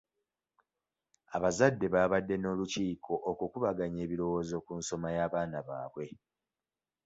Abazadde babadde n'olukiiko okukubaganya ebirowoozo ku nsoma y'abaana baabwe.